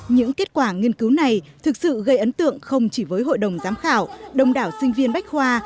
những kết quả nghiên cứu này thực sự gây ấn tượng không chỉ với hội đồng giám khảo đông đảo sinh viên bách khoa